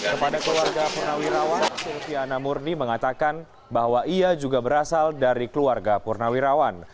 kepada keluarga purnawirawan silviana murni mengatakan bahwa ia juga berasal dari keluarga purnawirawan